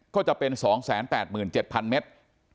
ก็จะเป็น๒๘๗๐๐เมตร